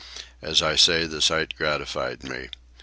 As I say, the sight gratified me.